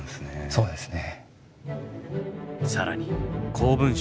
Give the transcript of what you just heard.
そうですね。